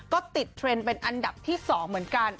ก็ติดเทรนด์เป็นอันดับที่๒เหมือนกัน